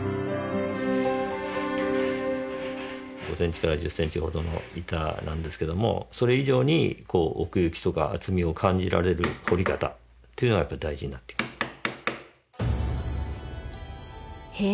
５ｃｍから１０ｃｍほどの板なんですけどもそれ以上に奥行きとか厚みを感じられる彫り方というのはやっぱり大事になってきますね